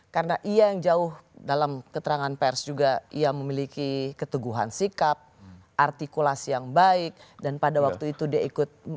karena ia yang jauh dalam keterangan pers juga ia memiliki keteguhan sikap artikulasi yang baik dan pada waktu itu dia ikut ke polisi